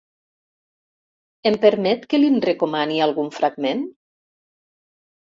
Em permet que li'n recomani algun fragment?